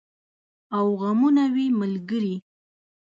او غمونه وي ملګري